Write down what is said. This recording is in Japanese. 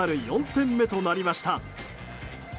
４点目となりました。